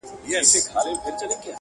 چې زور په ؤلو راځي